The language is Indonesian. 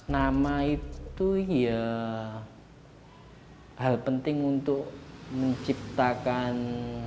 nama itu ya hal penting untuk menciptakan